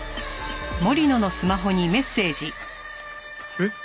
えっ！？